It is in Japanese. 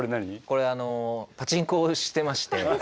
これパチンコをしてまして。